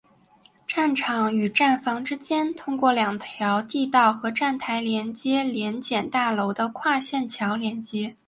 站场与站房之间通过两条地道和站台联接联检大楼的跨线桥连接。